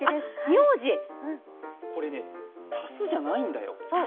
これ、足すじゃないんだよ。